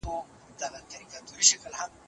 خپل عصبیت او پیوستون وساتئ.